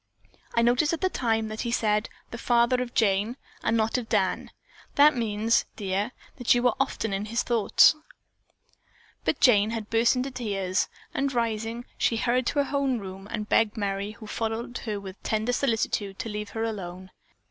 I noticed at the time that he said 'the father of Jane' and not of Dan. That means, dear, that you are often in his thoughts." But Jane had again burst into tears, and rising, she hurried to her own room and begged Merry, who had followed her with tender solicitude, to leave her alone.